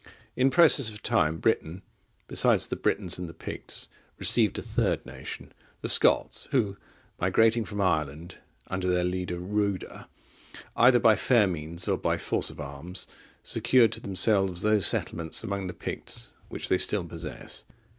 (30) In process of time, Britain, besides the Britons and the Picts, received a third nation, the Scots, who, migrating from Ireland under their leader, Reuda, either by fair means, or by force of arms, secured to themselves those settlements among the Picts which they still possess.